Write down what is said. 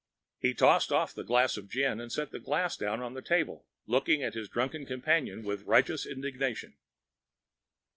He tossed off the glass of gin and set the glass down on the table, looking at his drunken companion with righteous indignation.